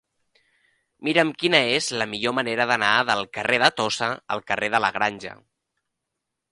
Mira'm quina és la millor manera d'anar del carrer de Tossa al carrer de la Granja.